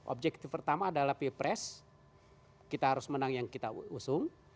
objektif pertama adalah pilpres kita harus menang yang kita usung